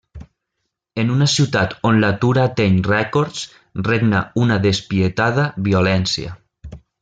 En una ciutat on l'atur ateny rècords regna una despietada violència.